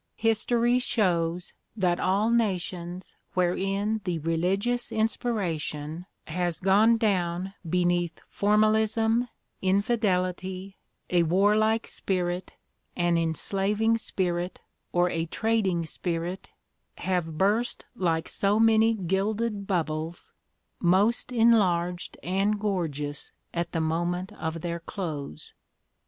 History shows that all nations wherein the religious inspiration has gone down beneath formalism, infidelity, a warlike spirit, an enslaving spirit, or a trading spirit, have burst like so many gilded bubbles, most enlarged and gorgeous at the moment of their close.